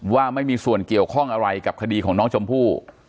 ว่าไม่มีส่วนเกี่ยวข้องอะไรกับคดีของน้องชมพู่